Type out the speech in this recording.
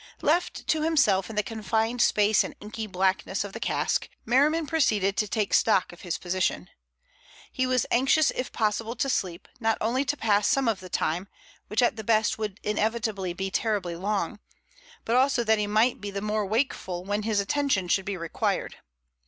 Left to himself in the confined space and inky blackness of the cask, Merriman proceeded to take stock of his position. He was anxious if possible to sleep, not only to pass some of the time, which at the best would inevitably be terribly long, but also that he might be the more wakeful when his attention should be required.